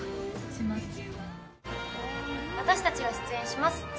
私たちが出演します